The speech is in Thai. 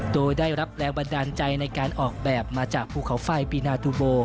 โดยได้รับแรงบันดาลใจในการออกแบบมาจากภูเขาไฟปีนาทูโบ